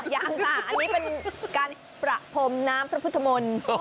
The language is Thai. ยังค่ะอันนี้เป็นการประพรมน้ำพระพุทธมนต์